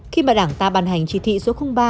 khi mà đảng ta bàn hành chỉ thị số ba